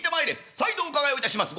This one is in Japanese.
「再度お伺いをいたします。